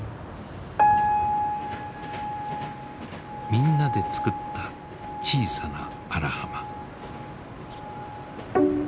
みんなで作った小さな荒浜。